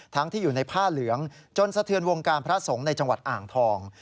ที่อยู่ในผ้าเหลืองจนสะเทือนวงการพระสงฆ์ในจังหวัดอ่างทอง